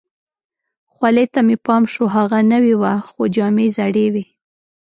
خولۍ ته مې پام شو، هغه نوې وه، خو جامې زړې وي.